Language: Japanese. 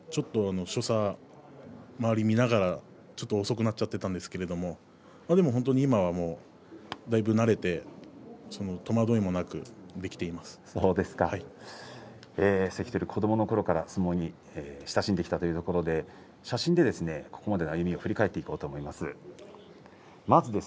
初日ちょっと所作が周りを見ながら遅くなっていたんですけれども今はだいぶ慣れて関取は子どものころから相撲に親しんできたということで写真でここまでの歩みを振り返っていこうと思います。